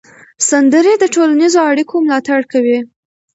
سندرې د ټولنیزو اړیکو ملاتړ کوي.